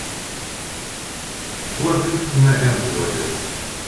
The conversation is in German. Vorsitzender er wurde.